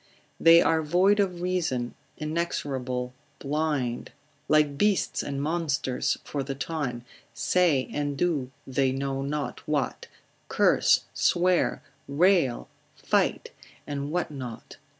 They are void of reason, inexorable, blind, like beasts and monsters for the time, say and do they know not what, curse, swear, rail, fight, and what not?